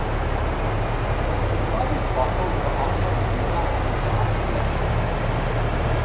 Ag bailiú focal d'fhoclóir nua a bhí beartaithe.